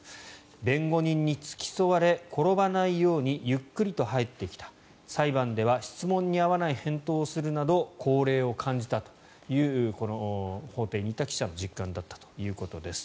弁護人に付き添われ転ばないようにゆっくりと入ってきた裁判では質問に合わない返答をするなど高齢を感じたというこの法廷にいた記者の実感だったということです。